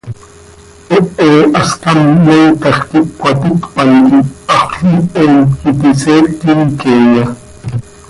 ¿Hehe hascám montaj quih cöcaticpan quih Haxöl Iihom iti seectim queeya?